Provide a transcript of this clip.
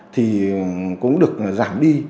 thì cũng được giảm đi